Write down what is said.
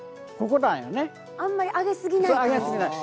あんまり上げすぎない。